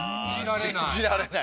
信じられない